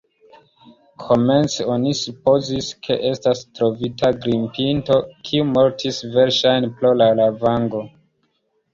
Komence oni supozis, ke estas trovita grimpinto, kiu mortis verŝajne pro lavango.